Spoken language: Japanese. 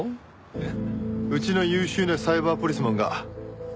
えっ？